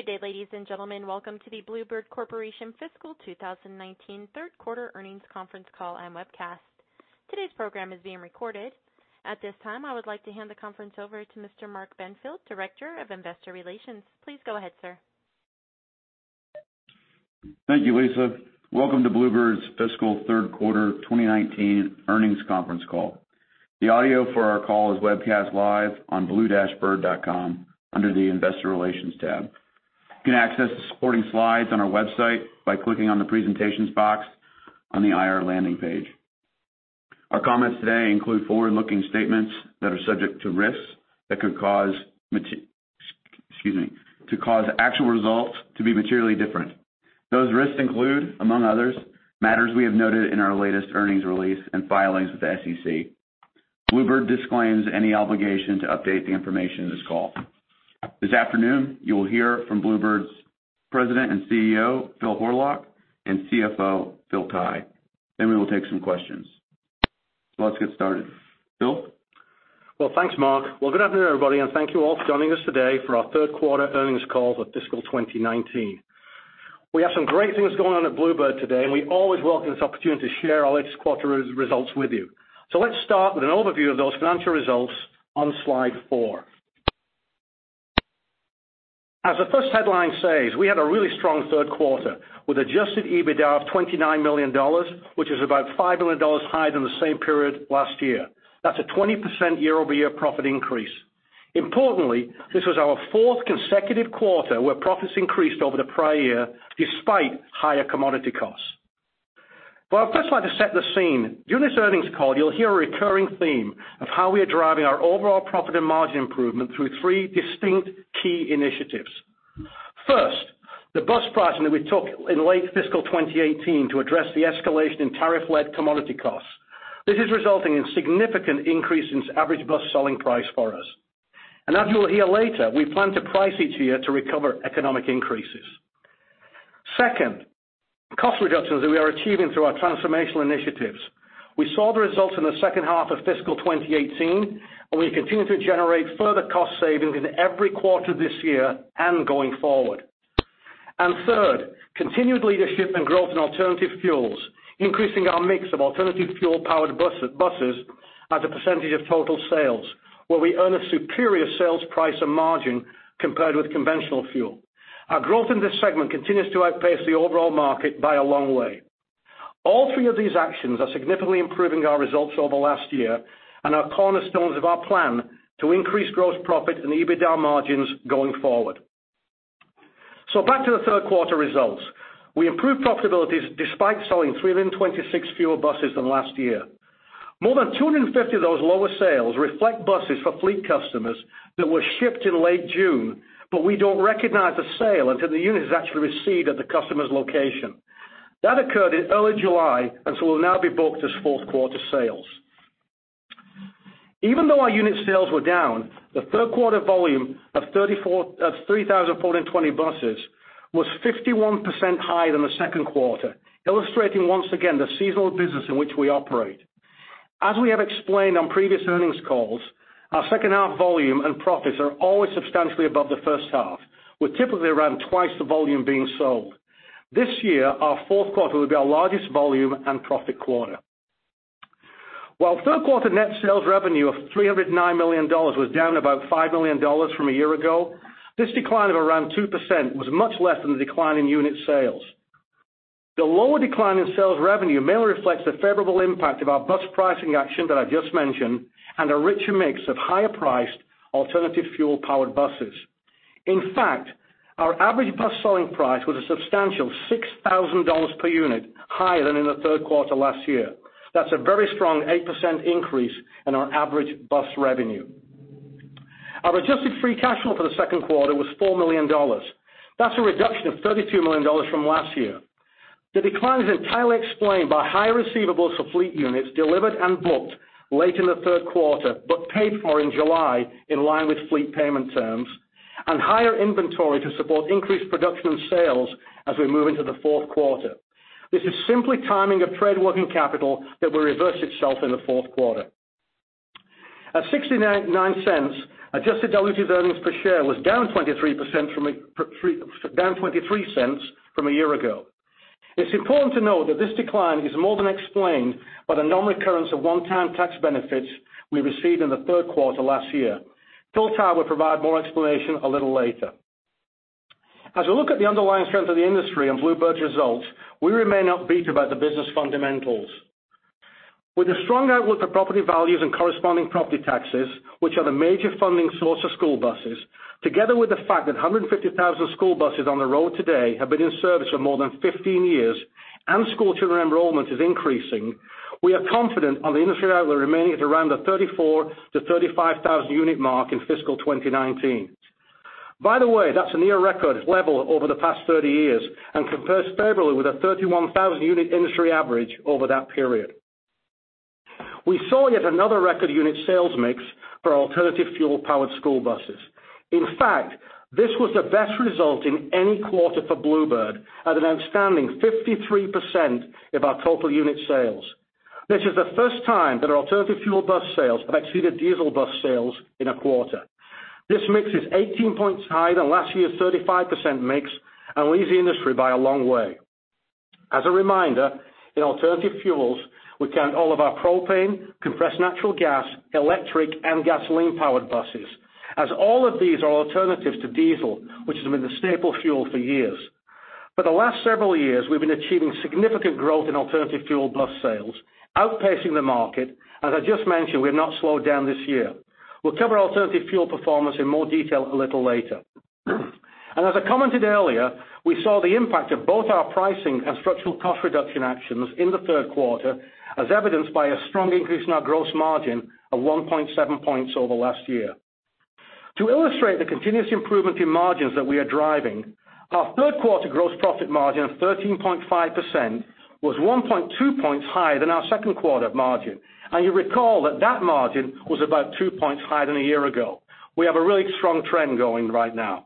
Good day, ladies and gentlemen. Welcome to the Blue Bird Corporation Fiscal 2019 third quarter earnings conference call and webcast. Today's program is being recorded. At this time, I would like to hand the conference over to Mr. Mark Benfield, Director of Investor Relations. Please go ahead, sir. Thank you, Lisa. Welcome to Blue Bird's fiscal third quarter 2019 earnings conference call. The audio for our call is webcast live on blue-bird.com under the investor relations tab. You can access the supporting slides on our website by clicking on the presentations box on the IR landing page. Our comments today include forward-looking statements that are subject to risks that could cause actual results to be materially different. Those risks include, among others, matters we have noted in our latest earnings release and filings with the SEC. Blue Bird disclaims any obligation to update the information in this call. This afternoon, you will hear from Blue Bird's President and CEO, Phil Horlock, and CFO, Phil Tighe. We will take some questions. Let's get started. Phil? Well, thanks, Mark. Well, good afternoon, everybody. Thank you all for joining us today for our third quarter earnings call for fiscal 2019. We have some great things going on at Blue Bird today. We always welcome this opportunity to share our latest quarter results with you. Let's start with an overview of those financial results on slide four. As the first headline says, we had a really strong third quarter, with Adjusted EBITDA of $29 million, which is about $5 million higher than the same period last year. That's a 20% year-over-year profit increase. Importantly, this was our fourth consecutive quarter where profits increased over the prior year despite higher commodity costs. I'd first like to set the scene. During this earnings call, you'll hear a recurring theme of how we are driving our overall profit and margin improvement through three distinct key initiatives. First, the bus pricing that we took in late fiscal 2018 to address the escalation in tariff-led commodity costs. This is resulting in significant increases in average bus selling price for us. As you will hear later, we plan to price each year to recover economic increases. Second, cost reductions that we are achieving through our transformational initiatives. We saw the results in the second half of fiscal 2018, and we continue to generate further cost savings in every quarter this year and going forward. Third, continued leadership and growth in alternative fuels, increasing our mix of alternative fuel-powered buses as a percentage of total sales, where we earn a superior sales price and margin compared with conventional fuel. Our growth in this segment continues to outpace the overall market by a long way. All three of these actions are significantly improving our results over last year and are cornerstones of our plan to increase gross profit and EBITDA margins going forward. Back to the third quarter results. We improved profitability despite selling 326 fewer buses than last year. More than 250 of those lower sales reflect buses for fleet customers that were shipped in late June, but we don't recognize a sale until the unit is actually received at the customer's location. That occurred in early July, will now be booked as fourth quarter sales. Even though our unit sales were down, the third quarter volume of 3,420 buses was 51% higher than the second quarter, illustrating once again the seasonal business in which we operate. As we have explained on previous earnings calls, our second half volume and profits are always substantially above the first half, with typically around twice the volume being sold. This year, our fourth quarter will be our largest volume and profit quarter. While third quarter net sales revenue of $309 million was down about $5 million from a year ago, this decline of around 2% was much less than the decline in unit sales. The lower decline in sales revenue mainly reflects the favorable impact of our bus pricing action that I just mentioned and a richer mix of higher-priced alternative fuel-powered buses. In fact, our average bus selling price was a substantial $6,000 per unit higher than in the third quarter last year. That's a very strong 8% increase in our average bus revenue. Our adjusted free cash flow for the second quarter was $4 million. That's a reduction of $32 million from last year. The decline is entirely explained by higher receivables for fleet units delivered and booked late in the third quarter but paid for in July, in line with fleet payment terms, and higher inventory to support increased production and sales as we move into the fourth quarter. This is simply timing of trade working capital that will reverse itself in the fourth quarter. At $0.69, Adjusted Diluted earnings per share was down $0.23 from a year ago. It's important to note that this decline is more than explained by the non-recurrence of one-time tax benefits we received in the third quarter last year. Phil Tighe will provide more explanation a little later. As we look at the underlying strength of the industry and Blue Bird's results, we remain upbeat about the business fundamentals. With a strong outlook for property values and corresponding property taxes, which are the major funding source of school buses, together with the fact that 150,000 school buses on the road today have been in service for more than 15 years and school children enrollment is increasing, we are confident on the industry outlook remaining at around the 34,000-35,000 unit mark in fiscal 2019. By the way, that's a near record level over the past 30 years and compares favorably with a 31,000 unit industry average over that period. We saw yet another record unit sales mix for alternative fuel-powered school buses. In fact, this was the best result in any quarter for Blue Bird at an outstanding 53% of our total unit sales. This is the first time that our alternative fuel bus sales have exceeded diesel bus sales in a quarter. This mix is 18 points higher than last year's 35% mix and leads the industry by a long way. As a reminder, in alternative fuels, we count all of our propane, compressed natural gas, electric, and gasoline-powered buses, as all of these are alternatives to diesel, which has been the staple fuel for years. For the last several years, we've been achieving significant growth in alternative fuel bus sales, outpacing the market. As I just mentioned, we have not slowed down this year. We'll cover alternative fuel performance in more detail a little later. As I commented earlier, we saw the impact of both our pricing and structural cost reduction actions in the third quarter, as evidenced by a strong increase in our gross margin of 1.7 points over last year. To illustrate the continuous improvement in margins that we are driving, our third quarter gross profit margin of 13.5% was 1.2 points higher than our second quarter margin. You recall that that margin was about two points higher than a year ago. We have a really strong trend going right now.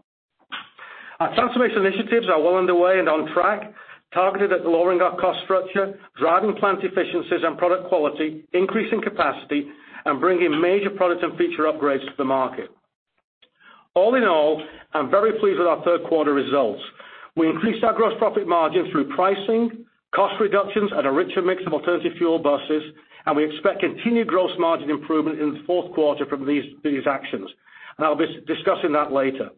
Our transformation initiatives are well underway and on track, targeted at lowering our cost structure, driving plant efficiencies and product quality, increasing capacity, and bringing major products and feature upgrades to the market. All in all, I'm very pleased with our third quarter results. We increased our gross profit margin through pricing, cost reductions, and a richer mix of alternative fuel buses, and we expect continued gross margin improvement in the fourth quarter from these actions. I'll be discussing that later.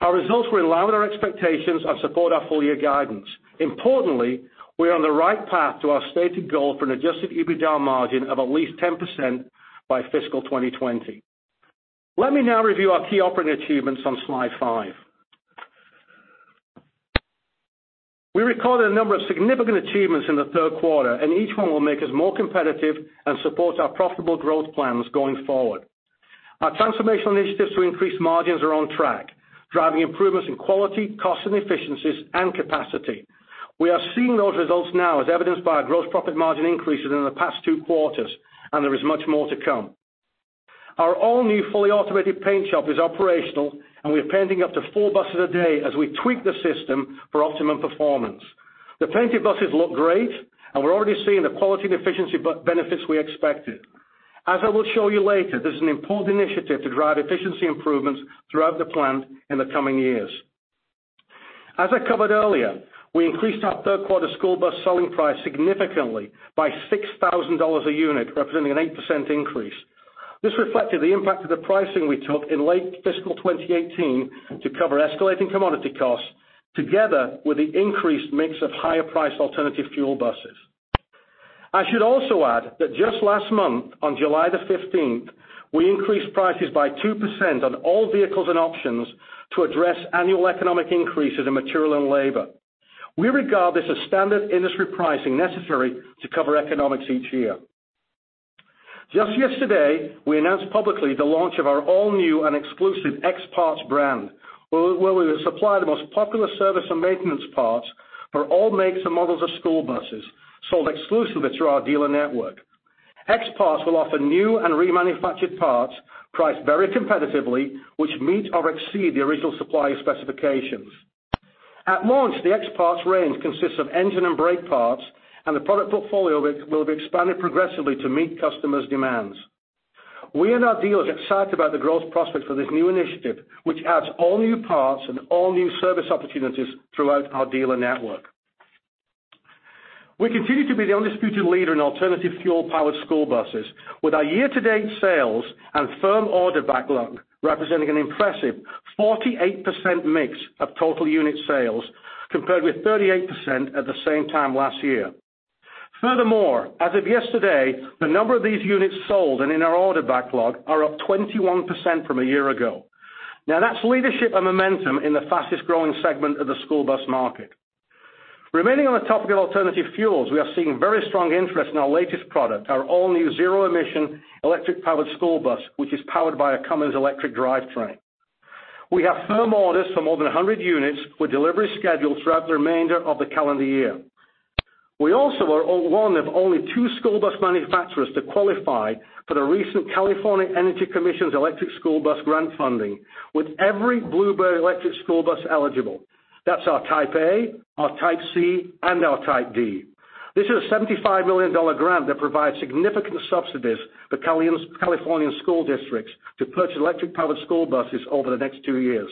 Our results were in line with our expectations and support our full year guidance. Importantly, we are on the right path to our stated goal for an adjusted EBITDA margin of at least 10% by fiscal 2020. Let me now review our key operating achievements on slide five. We recorded a number of significant achievements in the third quarter, and each one will make us more competitive and support our profitable growth plans going forward. Our transformational initiatives to increase margins are on track, driving improvements in quality, cost and efficiencies, and capacity. We are seeing those results now, as evidenced by our gross profit margin increases in the past two quarters, and there is much more to come. Our all-new fully automated paint shop is operational, and we are painting up to four buses a day as we tweak the system for optimum performance. The painted buses look great, and we're already seeing the quality and efficiency benefits we expected. As I will show you later, this is an important initiative to drive efficiency improvements throughout the plant in the coming years. As I covered earlier, we increased our third quarter school bus selling price significantly by $6,000 a unit, representing an 8% increase. This reflected the impact of the pricing we took in late fiscal 2018 to cover escalating commodity costs, together with the increased mix of higher-priced alternative fuel buses. I should also add that just last month, on July the 15th, we increased prices by 2% on all vehicles and options to address annual economic increases in material and labor. We regard this as standard industry pricing necessary to cover economics each year. Just yesterday, we announced publicly the launch of our all-new and exclusive X-Parts brand, where we will supply the most popular service and maintenance parts for all makes and models of school buses sold exclusively through our dealer network. X-Parts will offer new and remanufactured parts priced very competitively, which meet or exceed the original supplier specifications. At launch, the X-Parts range consists of engine and brake parts, the product portfolio will be expanded progressively to meet customers' demands. We and our dealers are excited about the growth prospects for this new initiative, which adds all-new parts and all-new service opportunities throughout our dealer network. We continue to be the undisputed leader in alternative fuel-powered school buses with our year-to-date sales and firm order backlog representing an impressive 48% mix of total unit sales, compared with 38% at the same time last year. Furthermore, as of yesterday, the number of these units sold and in our order backlog are up 21% from a year ago. Now, that's leadership and momentum in the fastest-growing segment of the school bus market. Remaining on the topic of alternative fuels, we are seeing very strong interest in our latest product, our all-new zero-emission electric-powered school bus, which is powered by a Cummins electric drivetrain. We have firm orders for more than 100 units with deliveries scheduled throughout the remainder of the calendar year. We also are one of only two school bus manufacturers to qualify for the recent California Energy Commission's Electric School Bus grant funding, with every Blue Bird electric school bus eligible. That's our Type A, our Type C, and our Type D. This is a $75 million grant that provides significant subsidies for Californian school districts to purchase electric-powered school buses over the next two years.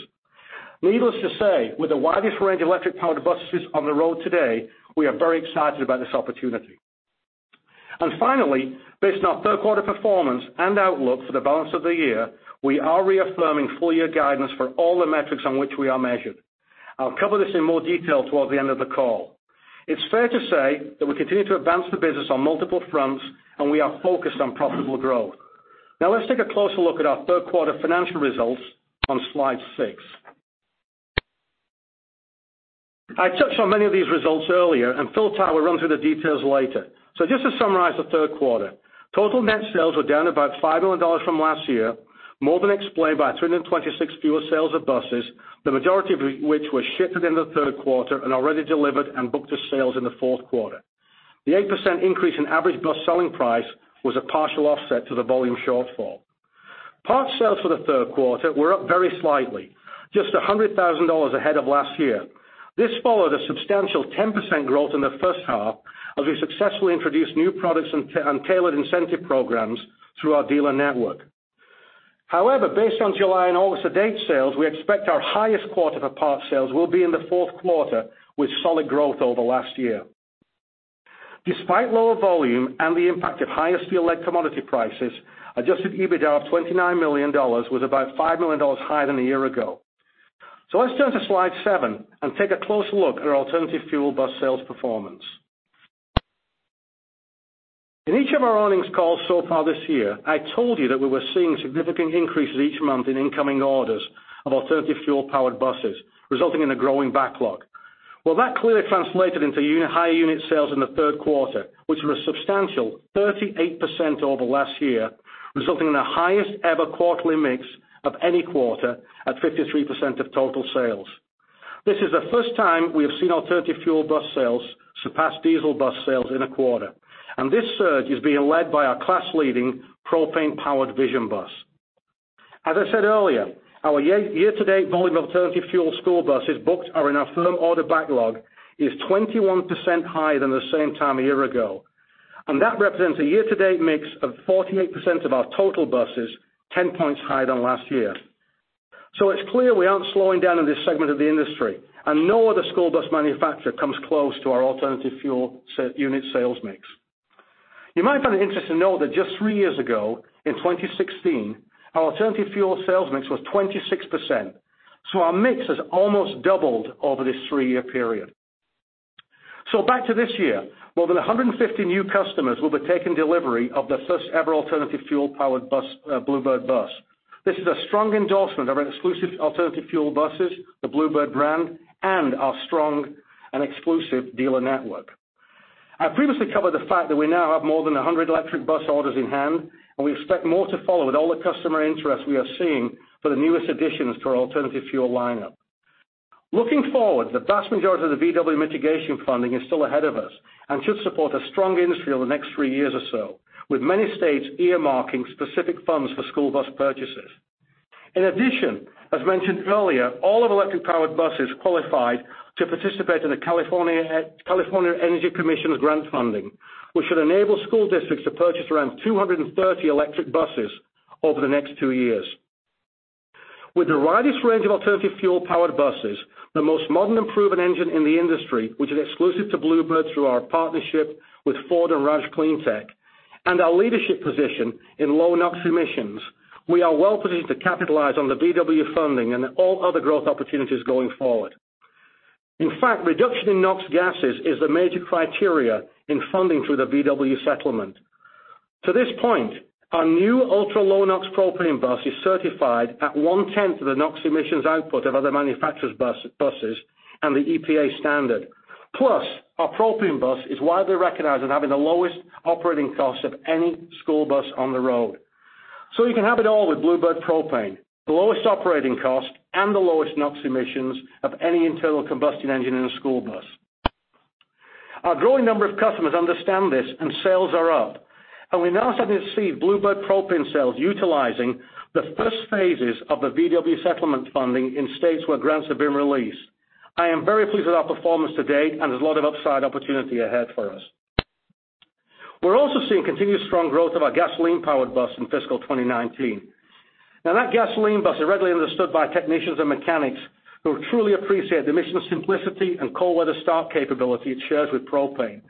Needless to say, with the widest range of electric-powered buses on the road today, we are very excited about this opportunity. Finally, based on our third quarter performance and outlook for the balance of the year, we are reaffirming full year guidance for all the metrics on which we are measured. I'll cover this in more detail towards the end of the call. It's fair to say that we continue to advance the business on multiple fronts and we are focused on profitable growth. Let's take a closer look at our third quarter financial results on slide six. I touched on many of these results earlier, and Phil Tighe will run through the details later. Just to summarize the third quarter, total net sales were down about $5 million from last year, more than explained by 326 fewer sales of buses, the majority of which were shifted in the third quarter and already delivered and booked as sales in the fourth quarter. The 8% increase in average bus selling price was a partial offset to the volume shortfall. Part sales for the third quarter were up very slightly, just $100,000 ahead of last year. This followed a substantial 10% growth in the first half, as we successfully introduced new products and tailored incentive programs through our dealer network. Based on July and August to date sales, we expect our highest quarter for parts sales will be in the fourth quarter, with solid growth over last year. Despite lower volume and the impact of higher steel and commodity prices, Adjusted EBITDA of $29 million was about $5 million higher than a year ago. Let's turn to slide seven and take a closer look at our alternative fuel bus sales performance. In each of our earnings calls so far this year, I told you that we were seeing significant increases each month in incoming orders of alternative fuel powered buses, resulting in a growing backlog. Well, that clearly translated into higher unit sales in the third quarter, which were a substantial 38% over last year, resulting in the highest ever quarterly mix of any quarter at 53% of total sales. This is the first time we have seen alternative fuel bus sales surpass diesel bus sales in a quarter, this surge is being led by our class-leading propane powered Vision bus. As I said earlier, our year-to-date volume of alternative fuel school buses booked are in our firm order backlog is 21% higher than the same time a year ago. That represents a year-to-date mix of 48% of our total buses, 10 points higher than last year. It's clear we aren't slowing down in this segment of the industry, and no other school bus manufacturer comes close to our alternative fuel unit sales mix. You might find it interesting to know that just three years ago, in 2016, our alternative fuel sales mix was 26%, our mix has almost doubled over this three-year period. Back to this year, more than 150 new customers will be taking delivery of their first ever alternative fuel powered Blue Bird bus. This is a strong endorsement of our exclusive alternative fuel buses, the Blue Bird brand, and our strong and exclusive dealer network. I previously covered the fact that we now have more than 100 electric bus orders in hand, and we expect more to follow with all the customer interest we are seeing for the newest additions to our alternative fuel lineup. Looking forward, the vast majority of the VW mitigation funding is still ahead of us and should support a strong industry over the next three years or so, with many states earmarking specific funds for school bus purchases. In addition, as mentioned earlier, all of our electric-powered buses qualified to participate in the California Energy Commission's grant funding, which should enable school districts to purchase around 230 electric buses over the next two years. With the widest range of alternative fuel powered buses, the most modern and proven engine in the industry, which is exclusive to Blue Bird through our partnership with Ford and ROUSH CleanTech, and our leadership position in low NOx emissions, we are well positioned to capitalize on the VW funding and all other growth opportunities going forward. Reduction in NOx gases is a major criteria in funding through the VW settlement. To this point, our new ultra-low NOx propane bus is certified at 1/10 of the NOx emissions output of other manufacturers' buses and the EPA standard. Our propane bus is widely recognized as having the lowest operating cost of any school bus on the road. You can have it all with Blue Bird propane, the lowest operating cost and the lowest NOx emissions of any internal combustion engine in a school bus. Our growing number of customers understand this and sales are up, and we're now starting to see Blue Bird propane sales utilizing the first phases of the VW settlement funding in states where grants have been released. I am very pleased with our performance to date, and there's a lot of upside opportunity ahead for us. We're also seeing continued strong growth of our gasoline-powered bus in fiscal 2019. Now that gasoline bus is readily understood by technicians and mechanics who truly appreciate the emission simplicity and cold weather start capability it shares with propane.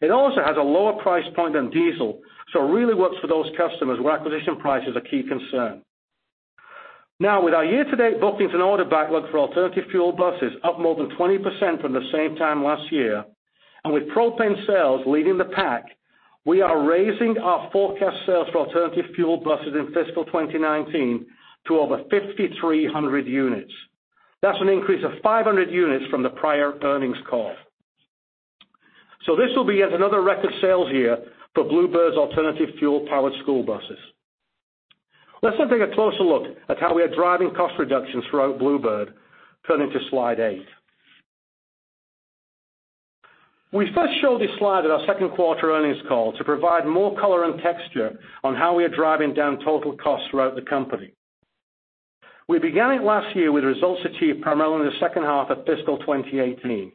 It also has a lower price point than diesel, so it really works for those customers where acquisition price is a key concern. Now with our year-to-date bookings and order backlog for alternative fuel buses up more than 20% from the same time last year, and with propane sales leading the pack, we are raising our forecast sales for alternative fuel buses in fiscal 2019 to over 5,300 units. That's an increase of 500 units from the prior earnings call. This will be yet another record sales year for Blue Bird's alternative fuel powered school buses. Let's now take a closer look at how we are driving cost reductions throughout Blue Bird. Turning to slide eight. We first showed this slide at our second quarter earnings call to provide more color and texture on how we are driving down total costs throughout the company. We began it last year with results achieved primarily in the second half of fiscal 2018.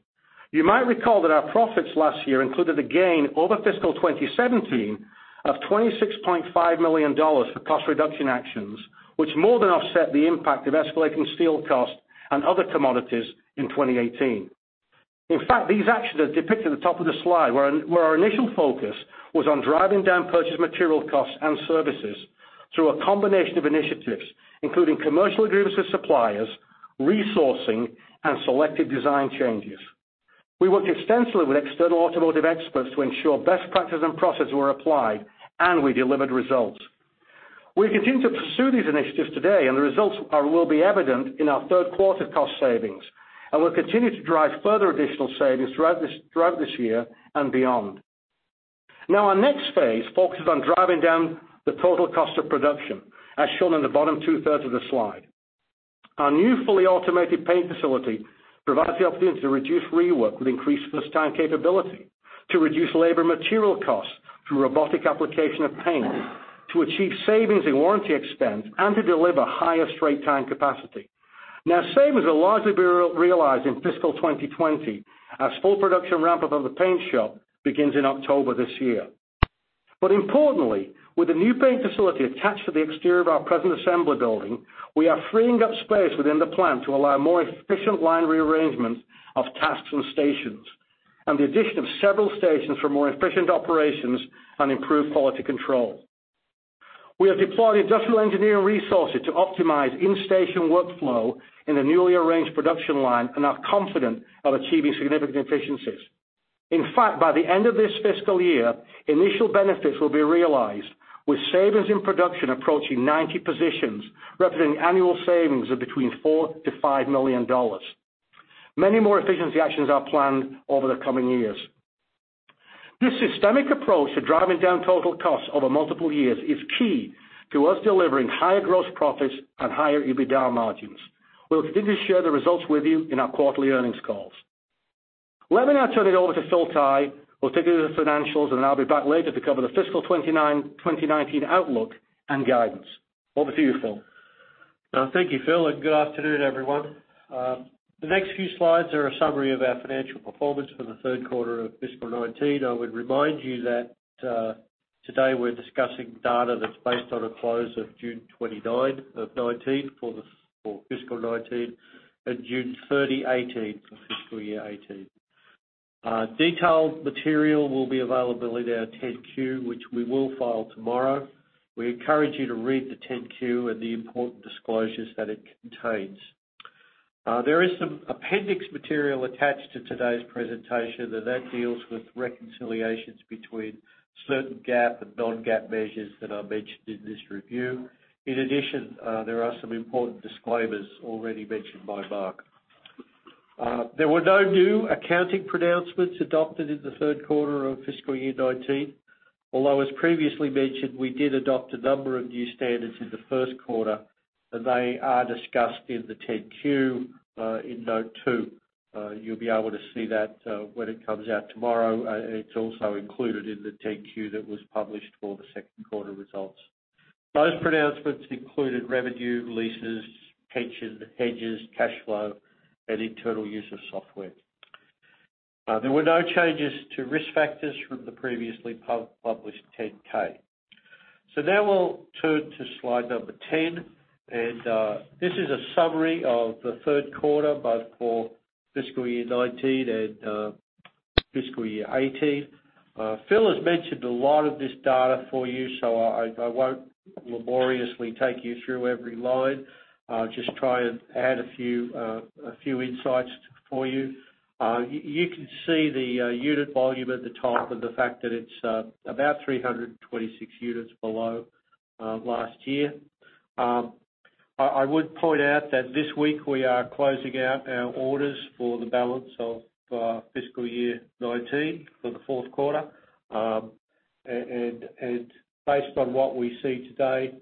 You might recall that our profits last year included a gain over fiscal 2017 of $26.5 million for cost reduction actions, which more than offset the impact of escalating steel costs and other commodities in 2018. These actions are depicted at the top of the slide, where our initial focus was on driving down purchase material costs and services through a combination of initiatives, including commercial agreements with suppliers, resourcing, and selective design changes. We worked extensively with external automotive experts to ensure best practices and processes were applied. We delivered results. We continue to pursue these initiatives today. The results will be evident in our third quarter cost savings. We'll continue to drive further additional savings throughout this year and beyond. Our next phase focuses on driving down the total cost of production, as shown in the bottom two-thirds of the slide. Our new fully automated paint facility provides the opportunity to reduce rework with increased first-time capability, to reduce labor material costs through robotic application of paint, to achieve savings in warranty expense, and to deliver higher straight-time capacity. Savings will largely be realized in fiscal 2020 as full production ramp-up of the paint shop begins in October this year. Importantly, with a new paint facility attached to the exterior of our present assembly building, we are freeing up space within the plant to allow more efficient line rearrangement of tasks and stations, and the addition of several stations for more efficient operations and improved quality control. We have deployed industrial engineering resources to optimize in-station workflow in the newly arranged production line and are confident of achieving significant efficiencies. By the end of this fiscal year, initial benefits will be realized with savings in production approaching 90 positions, representing annual savings of $4 million-$5 million. Many more efficiency actions are planned over the coming years. This systemic approach to driving down total costs over multiple years is key to us delivering higher gross profits and higher EBITDA margins. We'll continue to share the results with you in our quarterly earnings calls. Let me now turn it over to Phil Tighe, who will take you through the financials, and I'll be back later to cover the fiscal 2019 outlook and guidance. Over to you, Phil. Thank you, Phil. Good afternoon, everyone. The next few slides are a summary of our financial performance for the third quarter of FY 2019. I would remind you that today we're discussing data that's based on a close of June 29th of 2019 for FY 2019 and June 30, 2018 for FY 2018. Detailed material will be available in our 10-Q, which we will file tomorrow. We encourage you to read the 10-Q and the important disclosures that it contains. There is some appendix material attached to today's presentation, and that deals with reconciliations between certain GAAP and non-GAAP measures that are mentioned in this review. In addition, there is some important disclaimers already mentioned by Mark. There were no new accounting pronouncements adopted in the third quarter of fiscal year 2019 although, as previously mentioned, we did adopt a number of new standards in the first quarter, and they are discussed in the 10-Q in note two. You'll be able to see that when it comes out tomorrow. It's also included in the 10-Q that was published for the second quarter results. Those pronouncements included revenue, leases, pension, hedges, cash flow, and internal use of software. There were no changes to risk factors from the previously published 10-K. Now we'll turn to slide number 10, and this is a summary of the third quarter, both for fiscal year 2019 and fiscal year 2018. Phil has mentioned a lot of this data for you, so I won't laboriously take you through every line. I'll just try and add a few insights for you. You can see the unit volume at the top and the fact that it's about 326 units below last year. I would point out that this week we are closing out our orders for the balance of fiscal year 2019 for the fourth quarter. Based on what we see today,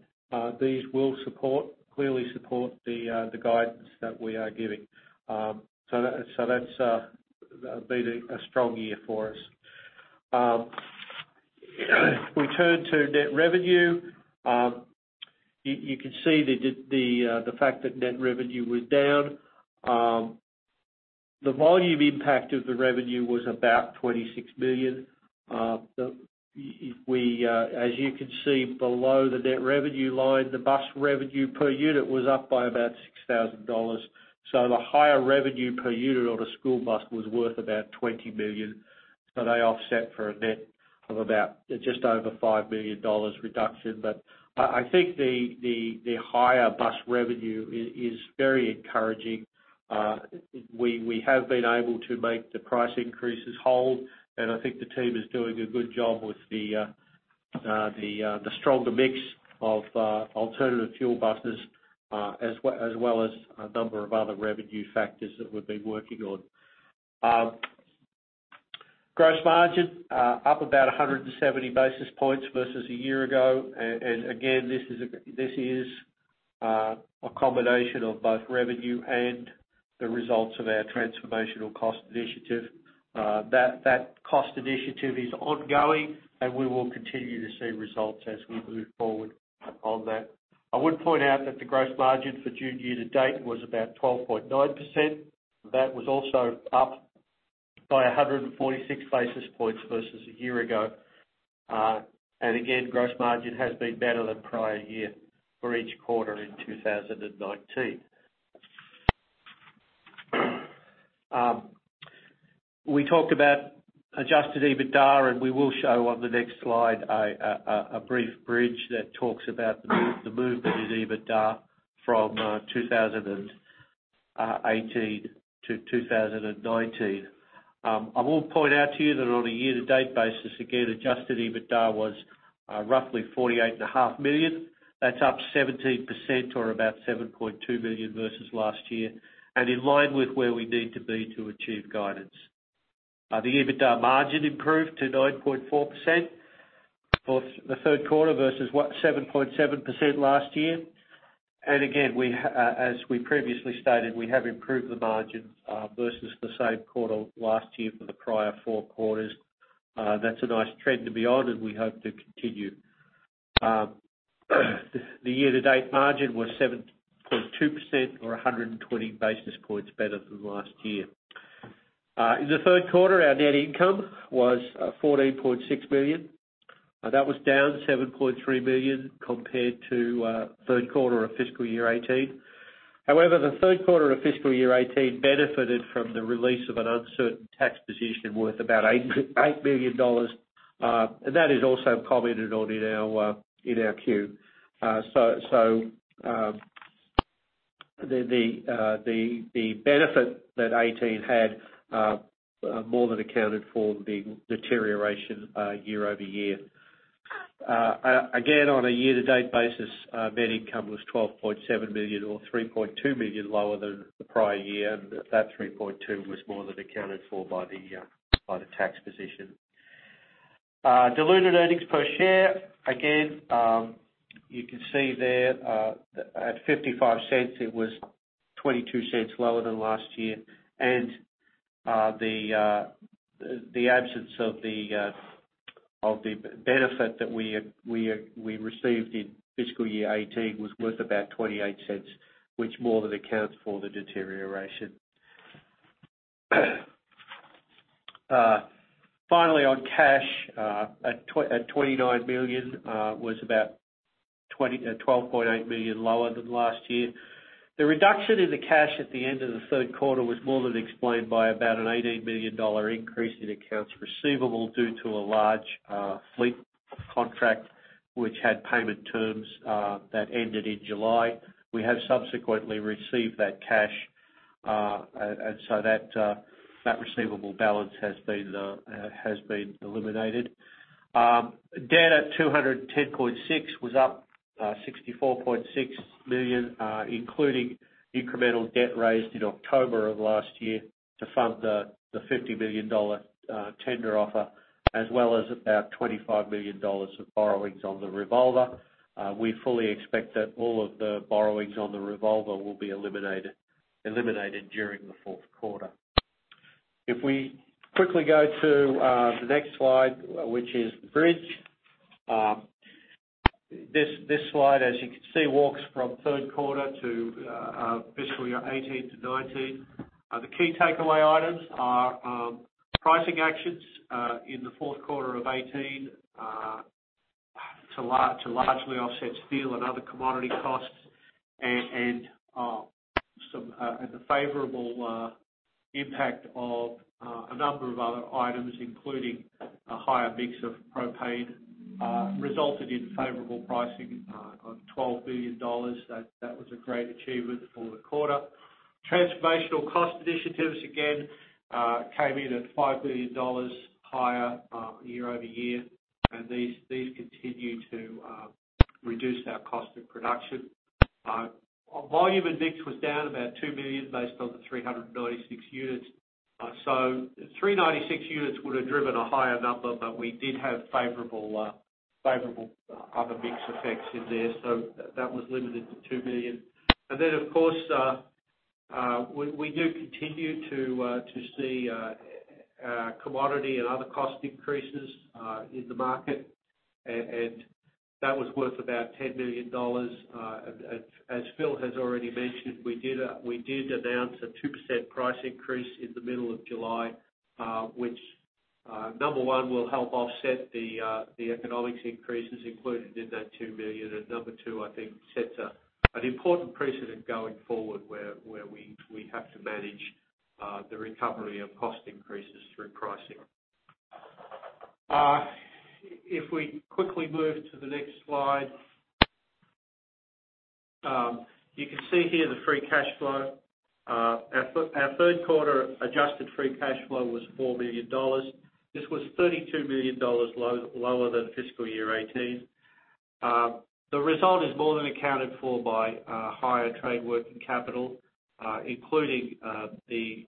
these will clearly support the guidance that we are giving. That's been a strong year for us. If we turn to net revenue, you can see the fact that net revenue was down. The volume impact of the revenue was about $26 million. As you can see below the net revenue line, the bus revenue per unit was up by about $6,000. The higher revenue per unit on a school bus was worth about $20 million. They offset for a net of about just over $5 million reduction. I think the higher bus revenue is very encouraging. We have been able to make the price increases hold, and I think the team is doing a good job with the stronger mix of alternative fuel buses as well as a number of other revenue factors that we've been working on. Gross margin, up about 170 basis points versus a year ago. Again, this is a combination of both revenue and the results of our Transformational Cost Initiative. That Cost Initiative is ongoing, and we will continue to see results as we move forward on that. I would point out that the gross margin for June year to date was about 12.9%. That was also up by 146 basis points versus a year ago. Again, gross margin has been better than prior year for each quarter in 2019. We talked about adjusted EBITDA. We will show on the next slide a brief bridge that talks about the movement in EBITDA from 2018 to 2019. I will point out to you that on a year-to-date basis, again, Adjusted EBITDA was roughly $48.5 million. That's up 17% or about $7.2 million versus last year and in line with where we need to be to achieve guidance. The EBITDA margin improved to 9.4% for the third quarter versus what, 7.7% last year. Again, as we previously stated, we have improved the margins versus the same quarter last year for the prior four quarters. That's a nice trend to be on. We hope to continue. The year-to-date margin was 7.2% or 120 basis points better than last year. In the third quarter, our net income was $14.6 million. That was down $7.3 million compared to third quarter of fiscal year 2018. However, the third quarter of fiscal year 2018 benefited from the release of an uncertain tax position worth about $8 million. That is also commented on in our 10-Q. The benefit that 2018 had more than accounted for the deterioration year-over-year. Again, on a year-to-date basis, net income was $12.7 million or $3.2 million lower than the prior year, and that $3.2 was more than accounted for by the tax position. Diluted earnings per share, again, you can see there at $0.55, it was $0.22 lower than last year. The absence of the benefit that we received in fiscal year 2018 was worth about $0.28, which more than accounts for the deterioration. Finally, on cash, at $29 million was about $12.8 million lower than last year. The reduction in the cash at the end of the third quarter was more than explained by about an $18 million increase in accounts receivable due to a large fleet contract, which had payment terms that ended in July. We have subsequently received that cash, and so that receivable balance has been eliminated. Debt at $210.6 million was up $64.6 million, including incremental debt raised in October of last year to fund the $50 million tender offer, as well as about $25 million of borrowings on the revolver. We fully expect that all of the borrowings on the revolver will be eliminated during the fourth quarter. If we quickly go to the next slide, which is the bridge. This slide, as you can see, walks from third quarter to fiscal year 2018 to 2019. The key takeaway items are pricing actions in the fourth quarter of 2018 to largely offset steel and other commodity costs and the favorable impact of a number of other items, including a higher mix of propane, resulted in favorable pricing on $12 million. That was a great achievement for the quarter. Transformational cost initiatives again came in at $5 million higher year-over-year, and these continue to reduce our cost of production. Volume and mix was down about $2 million based on the 326 buses. 326 buses would have driven a higher number, but we did have favorable other mix effects in there. That was limited to $2 million. We do continue to see commodity and other cost increases in the market. That was worth about $10 million. As Phil has already mentioned, we did announce a 2% price increase in the middle of July, which, number one, will help offset the economics increases included in that $2 million and number two, I think sets an important precedent going forward where we have to manage the recovery of cost increases through pricing. If we quickly move to the next slide. You can see here the free cash flow. Our third quarter adjusted free cash flow was $4 billion. This was $32 million lower than fiscal year 2018. The result is more than accounted for by higher trade working capital, including the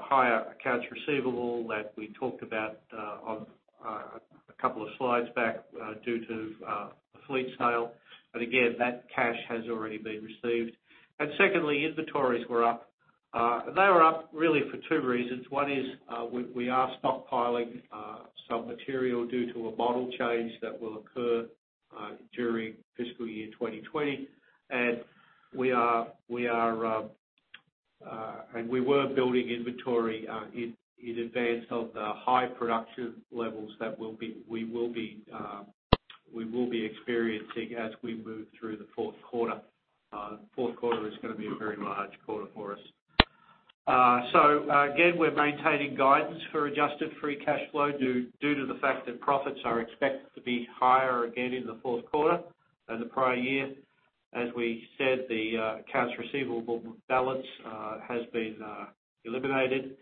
higher accounts receivable that we talked about on a couple of slides back due to a fleet sale. Again, that cash has already been received. Secondly, inventories were up. They were up really for two reasons. One is we are stockpiling some material due to a model change that will occur during fiscal year 2020. We were building inventory in advance of the high production levels that we will be experiencing as we move through the fourth quarter. Fourth quarter is going to be a very large quarter for us. Again, we're maintaining guidance for adjusted free cash flow due to the fact that profits are expected to be higher again in the fourth quarter than the prior year. As we said, the accounts receivable balance has been eliminated,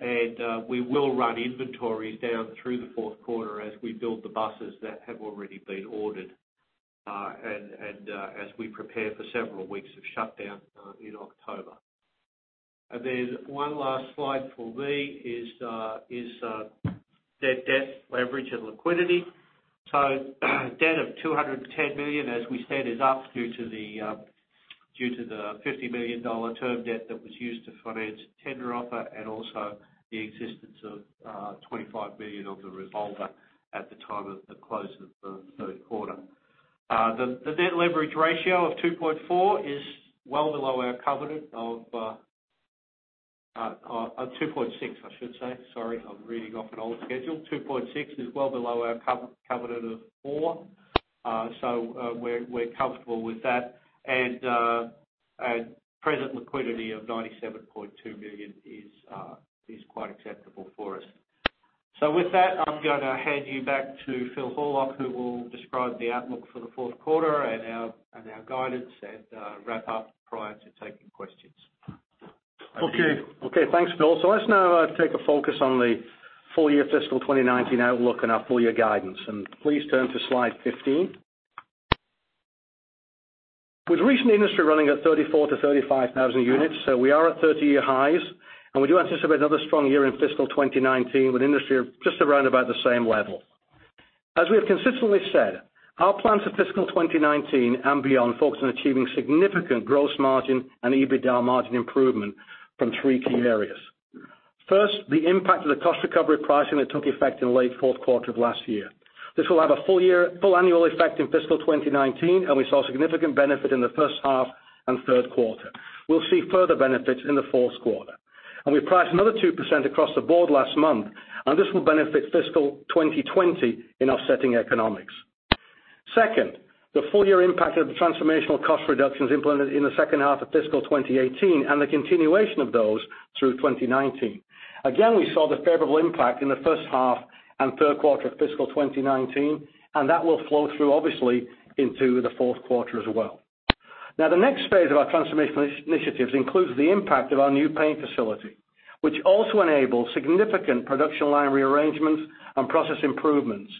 and we will run inventories down through the fourth quarter as we build the buses that have already been ordered and as we prepare for several weeks of shutdown in October. There's one last slide for me is, net debt, leverage, and liquidity. Debt of $210 million, as we said, is up due to the $50 million term debt that was used to finance the tender offer and also the existence of $25 million of the revolver at the time of the close of the third quarter. The net leverage ratio of 2.4 is well below our covenant of 2.6, I should say. Sorry, I'm reading off an old schedule. 2.6 is well below our covenant of 4. We're comfortable with that. Present liquidity of $97.2 million is quite acceptable for us. With that, I'm going to hand you back to Phil Horlock, who will describe the outlook for the fourth quarter and our guidance, and wrap up prior to taking questions. Okay, thanks, Phil. Let's now take a focus on the full-year fiscal 2019 outlook and our full-year guidance. Please turn to slide 15. With recent industry running at 34,000 to 35,000 units, so we are at 30-year highs, and we do anticipate another strong year in fiscal 2019 with industry just around about the same level. As we have consistently said, our plans for fiscal 2019 and beyond focus on achieving significant gross margin and EBITDA margin improvement from three key areas. First, the impact of the cost recovery pricing that took effect in late fourth quarter of last year. This will have a full annual effect in fiscal 2019, and we saw significant benefit in the first half and third quarter. We'll see further benefits in the fourth quarter. We priced another 2% across the board last month, and this will benefit fiscal 2020 in offsetting economics. Second, the full-year impact of the transformational cost reductions implemented in the second half of fiscal 2018 and the continuation of those through 2019. We saw the favorable impact in the first half and third quarter of fiscal 2019, and that will flow through obviously into the fourth quarter as well. The next phase of our transformational initiatives includes the impact of our new paint facility, which also enables significant production line rearrangements and process improvements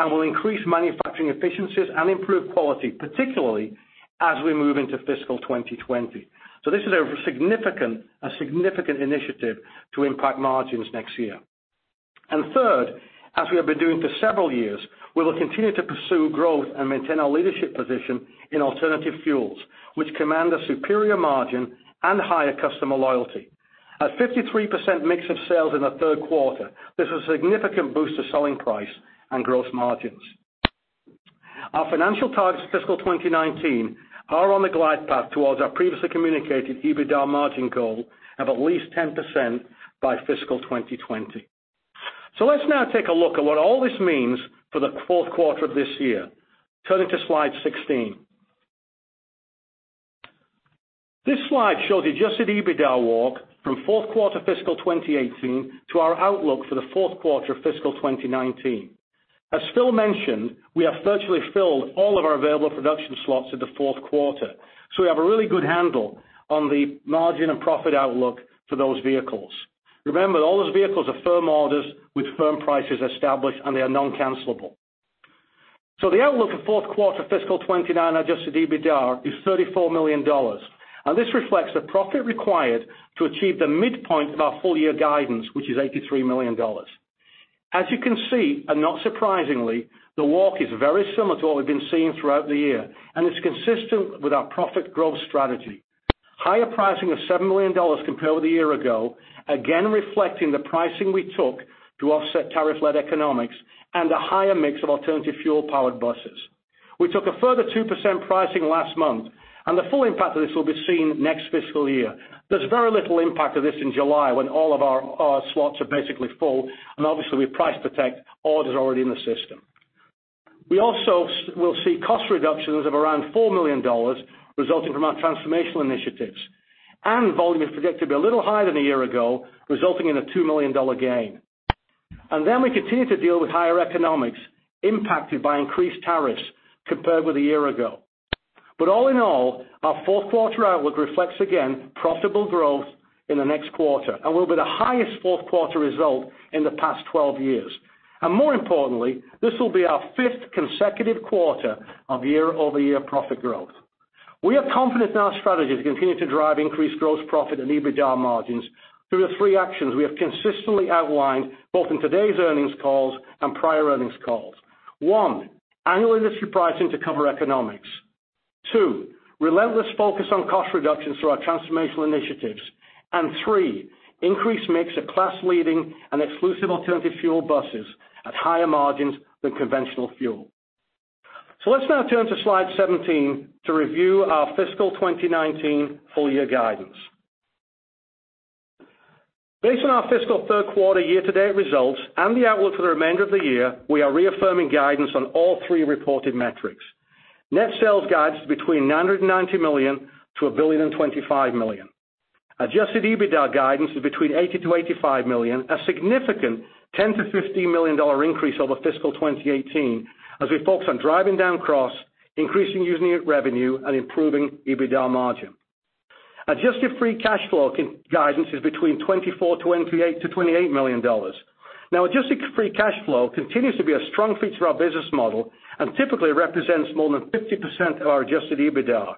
and will increase manufacturing efficiencies and improve quality, particularly as we move into fiscal 2020. This is a significant initiative to impact margins next year. Third, as we have been doing for several years, we will continue to pursue growth and maintain our leadership position in alternative fuels, which command a superior margin and higher customer loyalty. At 53% mix of sales in the third quarter, this is a significant boost to selling price and gross margins. Our financial targets fiscal 2019 are on the glide path towards our previously communicated EBITDA margin goal of at least 10% by fiscal 2020. Let's now take a look at what all this means for the fourth quarter of this year. Turning to slide 16. This slide shows the adjusted EBITDA walk from fourth quarter fiscal 2018 to our outlook for the fourth quarter of fiscal 2019. As Phil mentioned, we have virtually filled all of our available production slots in the fourth quarter. We have a really good handle on the margin and profit outlook for those vehicles. Remember, all those vehicles are firm orders with firm prices established, and they are non-cancelable. The outlook for fourth quarter fiscal 2019 Adjusted EBITDA is $34 million, and this reflects the profit required to achieve the midpoint of our full-year guidance, which is $83 million. As you can see, and not surprisingly, the walk is very similar to what we've been seeing throughout the year, and it's consistent with our profit growth strategy. Higher pricing of $7 million compared with a year ago, again reflecting the pricing we took to offset tariff-led economics and a higher mix of alternative fuel powered buses. We took a further 2% pricing last month, and the full impact of this will be seen next fiscal year. There's very little impact of this in July when all of our slots are basically full, and obviously, we price to take orders already in the system. We also will see cost reductions of around $4 million resulting from our transformational initiatives, and volume is predicted to be a little higher than a year ago, resulting in a $2 million gain. We continue to deal with higher economics impacted by increased tariffs compared with a year ago. All in all, our fourth quarter outlook reflects again profitable growth in the next quarter and will be the highest fourth quarter result in the past 12 years. More importantly, this will be our fifth consecutive quarter of year-over-year profit growth. We are confident in our strategy to continue to drive increased gross profit and EBITDA margins through the three actions we have consistently outlined, both in today's earnings calls and prior earnings calls. One, annual industry pricing to cover economics. Two, relentless focus on cost reductions through our transformational initiatives. Three, increased mix of class-leading and exclusive alternative fuel buses at higher margins than conventional fuel. Let's now turn to slide 17 to review our fiscal 2019 full-year guidance. Based on our fiscal third quarter year-to-date results and the outlook for the remainder of the year, we are reaffirming guidance on all three reported metrics. Net sales guidance between $990 million to $1.025 billion. Adjusted EBITDA guidance is between $80 million to $85 million, a significant $10 million to $15 million increase over fiscal 2018 as we focus on driving down costs, increasing unit revenue, and improving EBITDA margin. Adjusted free cash flow guidance is between $24 million-$28 million. Adjusted free cash flow continues to be a strong feature of our business model and typically represents more than 50% of our Adjusted EBITDA.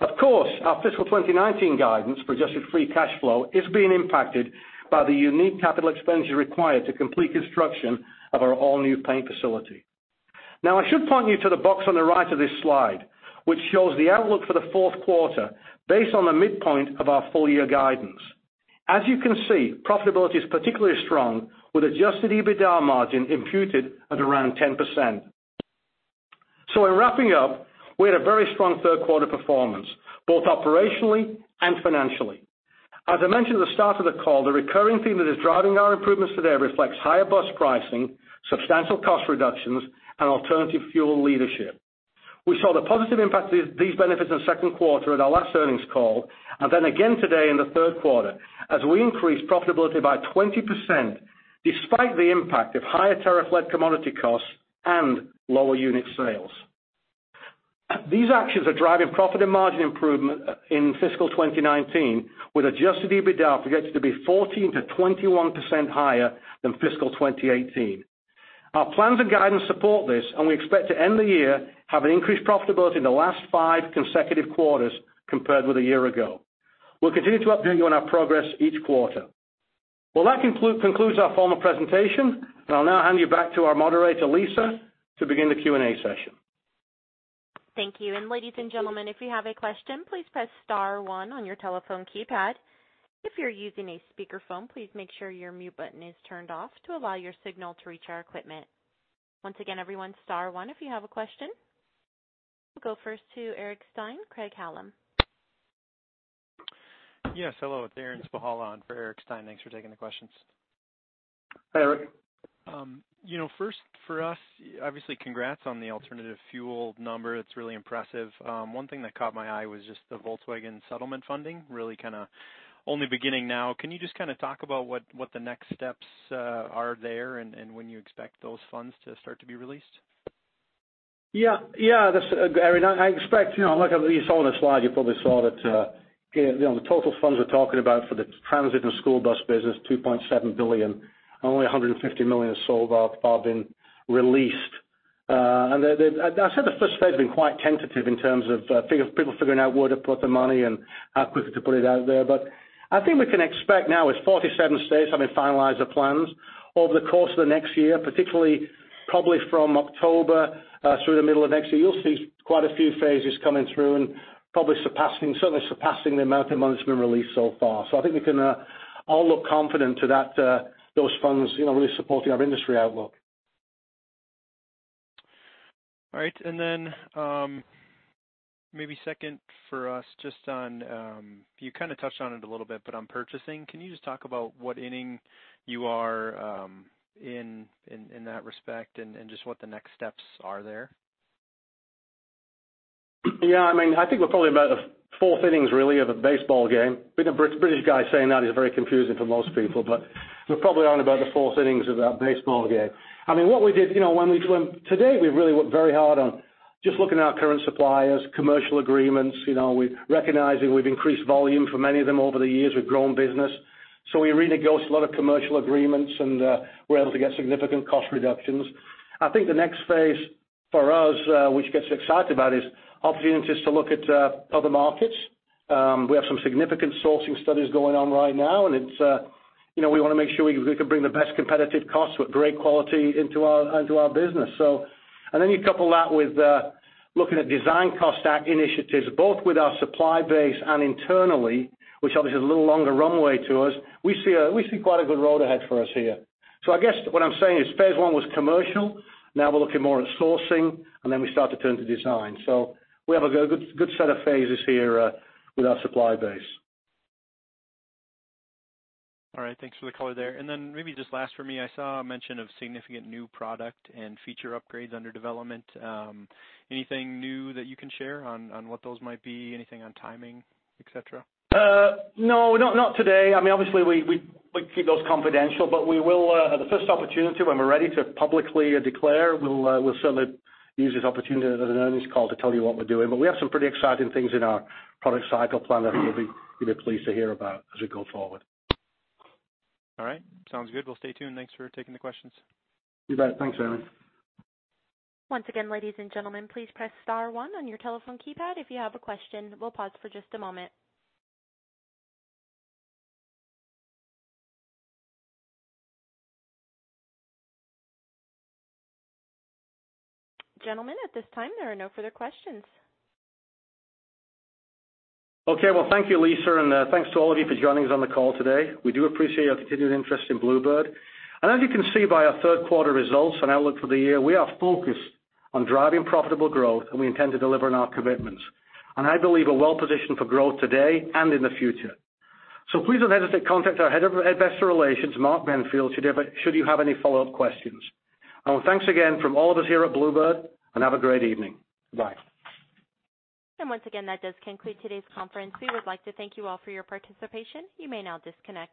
Of course, our fiscal 2019 guidance for adjusted free cash flow is being impacted by the unique capital expenditure required to complete construction of our all-new paint facility. I should point you to the box on the right of this slide, which shows the outlook for the fourth quarter based on the midpoint of our full-year guidance. As you can see, profitability is particularly strong with Adjusted EBITDA margin imputed at around 10%. In wrapping up, we had a very strong third quarter performance, both operationally and financially. As I mentioned at the start of the call, the recurring theme that is driving our improvements today reflects higher bus pricing, substantial cost reductions, and alternative fuel leadership. We saw the positive impact of these benefits in the second quarter at our last earnings call, and then again today in the third quarter as we increased profitability by 20%, despite the impact of higher tariff-led commodity costs and lower unit sales. These actions are driving profit and margin improvement in fiscal 2019, with Adjusted EBITDA projected to be 14%-21% higher than fiscal 2018. Our plans and guidance support this, and we expect to end the year having increased profitability in the last five consecutive quarters compared with a year ago. We'll continue to update you on our progress each quarter. Well, that concludes our formal presentation, and I'll now hand you back to our moderator, Lisa, to begin the Q&A session. Thank you. Ladies and gentlemen, if you have a question, please press star one on your telephone keypad. If you're using a speakerphone, please make sure your mute button is turned off to allow your signal to reach our equipment. Once again, everyone, star one if you have a question. We'll go first to Eric Stine, Craig-Hallum. Yes. Hello. It's Aaron Spychalla in for Eric Stine. Thanks for taking the questions. Hi, Aaron. First for us, obviously, congrats on the alternative fuel number. It's really impressive. One thing that caught my eye was just the Volkswagen settlement funding really only beginning now. Can you just talk about what the next steps are there and when you expect those funds to start to be released? Yeah, Aaron, I expect, like you saw on the slide, you probably saw that the total funds we're talking about for the transit and school bus business, $2.7 billion, only $150 million or so have been released. I'd say the first phase has been quite tentative in terms of people figuring out where to put the money and how quickly to put it out there. I think we can expect now with 47 states having finalized their plans over the course of the next year, particularly probably from October through the middle of next year, you'll see quite a few phases coming through and certainly surpassing the amount that money's been released so far. I think we can all look confident to those funds really supporting our industry outlook. All right, then maybe second for us, you kind of touched on it a little bit, but on purchasing, can you just talk about what inning you are in in that respect and just what the next steps are there? Yeah, I think we're probably about the four innings really of a baseball game. Being a British guy saying that is very confusing for most people, we're probably on about the four innings of that baseball game. To date, we've really worked very hard on just looking at our current suppliers, commercial agreements. We're recognizing we've increased volume for many of them over the years. We've grown business. We renegotiate a lot of commercial agreements, and we're able to get significant cost reductions. I think the next phase for us, which gets us excited about is opportunities to look at other markets. We have some significant sourcing studies going on right now, and we want to make sure we can bring the best competitive costs with great quality into our business. You couple that with looking at design cost initiatives, both with our supply base and internally, which obviously is a little longer runway to us. We see quite a good road ahead for us here. I guess what I'm saying is phase 1 was commercial. Now we're looking more at sourcing, and then we start to turn to design. We have a good set of phases here with our supply base. All right. Thanks for the color there. Then maybe just last for me, I saw a mention of significant new product and feature upgrades under development. Anything new that you can share on what those might be? Anything on timing, et cetera? No, not today. Obviously, we keep those confidential, but at the first opportunity when we're ready to publicly declare, we'll certainly use this opportunity at an earnings call to tell you what we're doing. We have some pretty exciting things in our product cycle plan that you'll be pleased to hear about as we go forward. All right. Sounds good. We'll stay tuned. Thanks for taking the questions. You bet. Thanks, Aaron. Once again, ladies and gentlemen, please press star one on your telephone keypad if you have a question. We'll pause for just a moment. Gentlemen, at this time, there are no further questions. Okay, well, thank you, Lisa. Thanks to all of you for joining us on the call today. We do appreciate your continued interest in Blue Bird. As you can see by our third quarter results and outlook for the year, we are focused on driving profitable growth, and we intend to deliver on our commitments and I believe are well-positioned for growth today and in the future. Please don't hesitate to contact our Head of Investor Relations, Mark Benfield, should you have any follow-up questions. Thanks again from all of us here at Blue Bird, and have a great evening. Bye. Once again, that does conclude today's conference. We would like to thank you all for your participation. You may now disconnect.